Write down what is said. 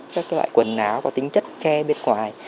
các loại quần áo có tính chất ke bên ngoài